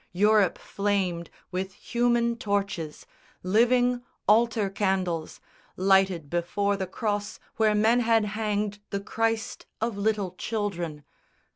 Europe flamed With human torches, living altar candles, Lighted before the Cross where men had hanged The Christ of little children.